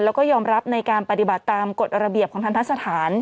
แล้วก็ยอมรับในการปฏิบัติตามกฎระเบียบของทันทะสถาน